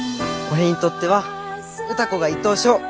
俺にとっては歌子が１等賞。